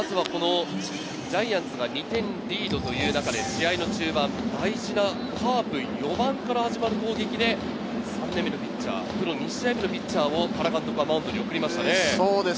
ジャイアンツが２点リードという中で試合の中盤、大事なカープ４番から始まる攻撃で３年目のピッチャー、２試合目のピッチャーを原監督はマウンドに送りましたね。